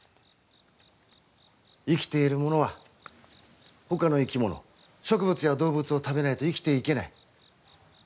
生きているものはほかの生き物、植物や動物を食べないと生きていけない。